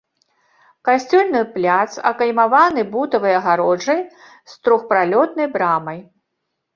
Касцёльны пляц акаймаваны бутавай агароджай з трохпралётнай брамай.